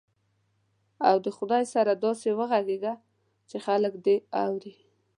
او د خدای سره داسې وغږېږه چې خلک دې اوري.